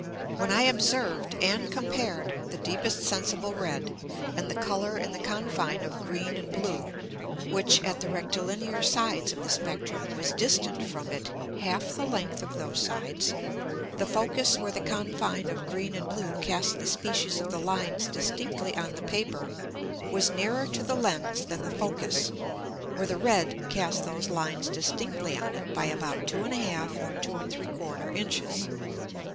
When I observed and compared the deepest sensible red, and the Colour in the Confine of green and blue, which at the Rectilinear Sides of the Spectrum was distant from it half the Length of those Sides, the Focus where the Confine of green and blue cast the Species of the Lines distinctly on the Paper, was nearer to the Lens than the Focus, where the red cast those Lines distinctly on it by about 2 1/2 or 2 3/4 Inches.